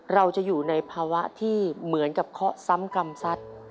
เราจะอยู่ในภาวะที่เหมือนกับเคาะซ้ำกรรมสัตว์